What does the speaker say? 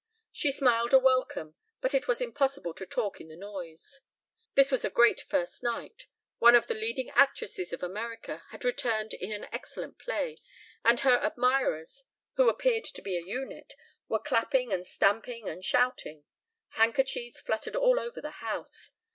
She smiled a welcome, but it was impossible to talk in the noise. This was a great first night. One of the leading actresses of America had returned in an excellent play, and her admirers, who appeared to be a unit, were clapping and stamping and shouting: handkerchiefs fluttered all over the house.